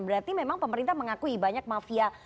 berarti memang pemerintah mengakui banyak mafia